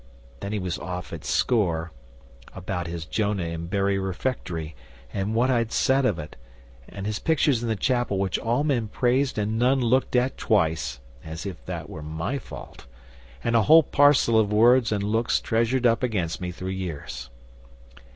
Then he was off at score about his Jonah in Bury Refectory, and what I'd said of it, and his pictures in the chapel which all men praised and none looked at twice (as if that was my fault!), and a whole parcel of words and looks treasured up against me through years.